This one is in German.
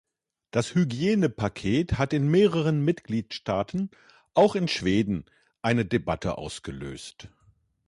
Das Hygienepaket hat in mehreren Mitgliedstaaten, auch in Schweden, eine Debatte ausgelöst.